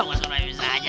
masa rambut saya aja